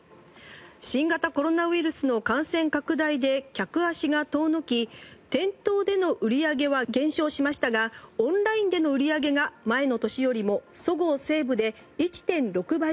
「新型コロナウイルスの感染拡大で客足が遠のき店頭での売り上げは減少しましたがオンラインでの売り上げが前の年よりもそごう・西武で１．６倍と伸びました」